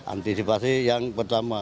antisipasi yang pertama